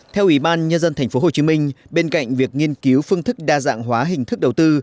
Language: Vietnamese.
theo ủy ban nhân dân tp hcm bên cạnh việc nghiên cứu phương thức đa dạng hóa hình thức đầu tư